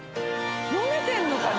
飲めてるのかね？